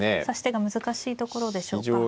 指し手が難しいところでしょうか。